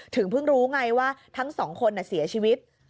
ถึงเพิ่งรู้ไงว่าทั้งสองคนเสียชีวิต